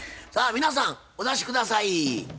さあ皆さんお出し下さい。